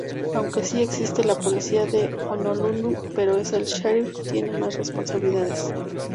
Aunque si existe la policía de Honolulu pero el sheriff tiene más responsabilidades.